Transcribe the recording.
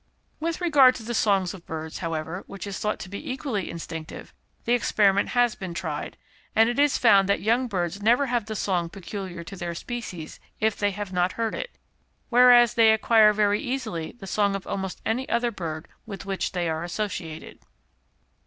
With regard to the songs of birds, however, which is thought to be equally instinctive, the experiment has been tried, and it is found that young birds never have the song peculiar to their species if they have not heard it, whereas they acquire very easily the song of almost any other bird with which they are associated.